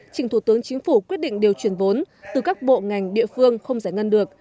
trình thủ tướng chính phủ quyết định điều chuyển vốn từ các bộ ngành địa phương không giải ngân được